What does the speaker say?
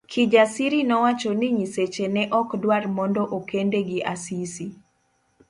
Kijasiri nowacho ni nyiseche ne okdwar mondo okende gi Asisi.